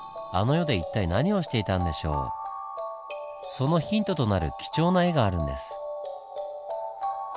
そのヒントとなる貴重な絵があるんです。